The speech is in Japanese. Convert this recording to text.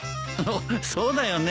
そそうだよね。